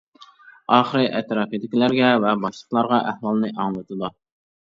ئاخىرى ئەتراپىدىكىلەرگە ۋە باشلىقلارغا ئەھۋالنى ئاڭلىتىدۇ.